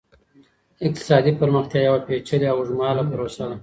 اقتصادي پرمختيا يوه پېچلې او اوږدمهاله پروسه ده.